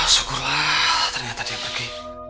sukurlah ternyata dia pergi